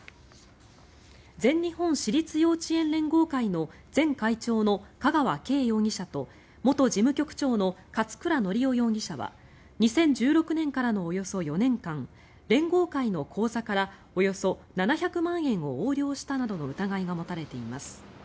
全日本私立幼稚園連合会の前会長の香川敬容疑者と元事務局長の勝倉教雄容疑者は２０１６年からのおよそ４年間連合会の口座からおよそ７００万円を横領したなどの疑いが持たれています。